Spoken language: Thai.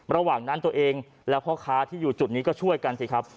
ระหว่างนั้นตัวเองและพ่อค้าที่อยู่จุดนี้ก็ช่วยกันสิครับ